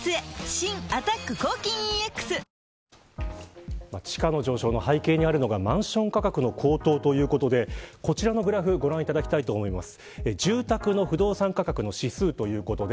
新「アタック抗菌ＥＸ」地価の上昇の背景にあるのがマンション価格の高騰ということでこちらのグラフをご覧いただきたいと思います。